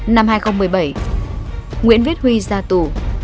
năm hai nghìn một mươi bảy nguyễn viết huy ra tù